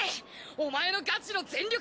お前のガチの全力